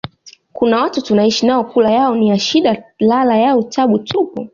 kuna watu tunaishi nao kula yao ni ya shida lala yao tabu tupu